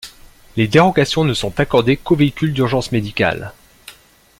Les dérogations ne sont accordées qu'aux véhicules d'urgence médicale.